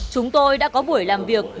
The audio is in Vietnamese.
chúng tôi đã có buổi làm việc với ông nguyễn sơn